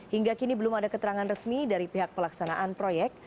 hingga kini belum ada keterangan resmi dari pihak pelaksanaan proyek